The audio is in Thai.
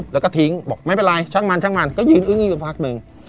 แล้วก็ทิ้งบอกไม่เป็นไรช่างมันก็ยืนอึ้งอีกสักพักหนึ่ง